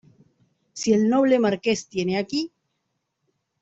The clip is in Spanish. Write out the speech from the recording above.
si el noble Marqués tiene aquí...